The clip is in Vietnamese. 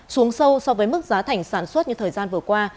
xuống sâu so với mức giá thành sản xuất như thời gian vừa qua